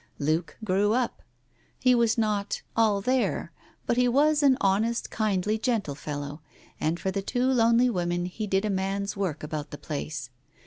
Luke grew up. He was not "all there," but he was an honest, kindly, gentle fellow, and for the two lonely women he did a man's work about the place.